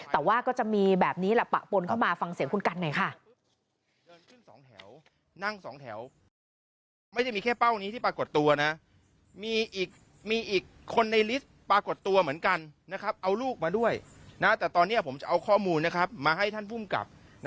แต่ว่าก็จะมีแบบนี้แหละปะปนเข้ามาฟังเสียงคุณกันหน่อยค่ะ